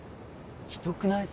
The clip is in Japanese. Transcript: ひどくない？